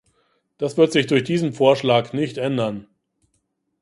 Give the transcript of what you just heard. Das wird sich durch diesen Vorschlag nicht ändern.